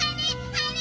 あれ！